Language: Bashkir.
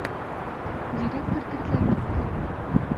Директор тертләп китте.